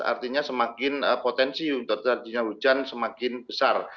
artinya semakin potensi untuk terjadinya hujan semakin besar